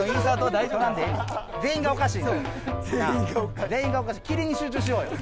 全員がおかしいキリンに集中しようよ。